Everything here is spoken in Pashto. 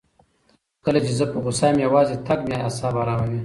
کله چې زه په غوسه یم، یوازې تګ مې اعصاب اراموي.